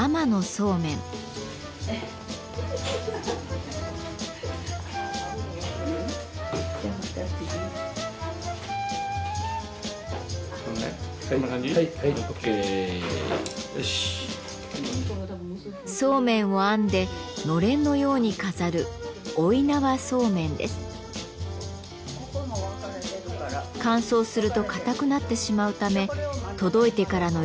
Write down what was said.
そうめんを編んでのれんのように飾る乾燥すると硬くなってしまうため届いてからの１時間が勝負。